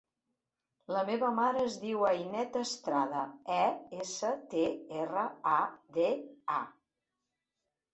La meva mare es diu Ainet Estrada: e, essa, te, erra, a, de, a.